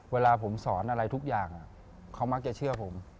เวลาผมสอนอะไรทุกอย่างเขามักจะเชื่อผม